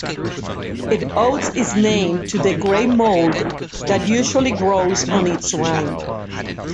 It owes its name to the grey mold that usually grows on its rind.